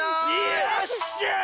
よっしゃい！